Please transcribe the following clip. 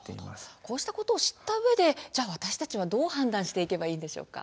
こうしたことを知ったうえで、じゃあ私たちはどう判断していけばいいんでしょうか？